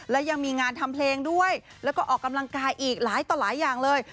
และยังมีงานทำเพลงด้วยแล้วก็ออกกำลังกายอีกหลายต่อหลายอย่างเลย